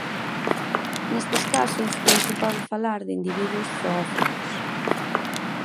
Nestes casos non se pode falar de individuos zoófilos.